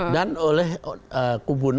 dan oleh kubu dua